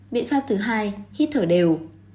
biện pháp thứ hai hít thở đều